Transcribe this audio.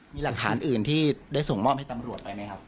มีหลักฐานอื่นที่ได้ส่งมอบให้ตำรวจไปไหมครับ